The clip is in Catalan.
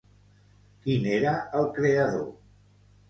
Qui n'era el creador?